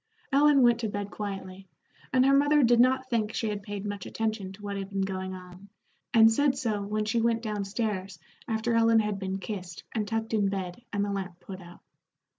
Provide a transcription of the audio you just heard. Ellen went to bed quietly, and her mother did not think she had paid much attention to what had been going on, and said so when she went down stairs after Ellen had been kissed and tucked in bed and the lamp put out.